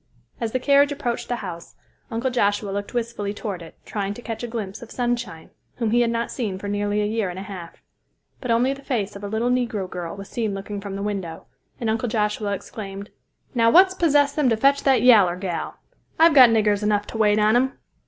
As the carriage approached the house Uncle Joshua looked wistfully toward it, trying to catch a glimpse of "Sunshine," whom he had not seen for nearly a year and a half. But only the face of a little negro girl was seen looking from the window, and Uncle Joshua exclaimed, "Now, what's possessed them to fetch that yaller gal! I've got niggers enough to wait on 'em."